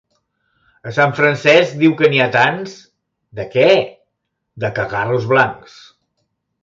A Sant Francesc diu que n'hi ha tants! —De què? —De cagarros blancs.